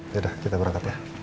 yaudah kita berangkat ya